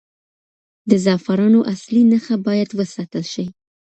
د زعفرانو اصلي نښه باید وساتل شي.